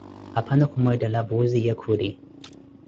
Aphano khumweettela Puuzi, ye khuri.